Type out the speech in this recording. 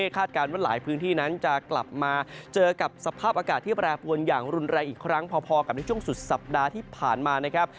การว่าหลายพื้นที่นั้นจะกลับมาเจอกับสภาพอากาศที่แปรปวนอย่างรุนแรงอีกครั้งพอกับในช่วงสุดสัปดาห์ที่ผ่านมานะครับ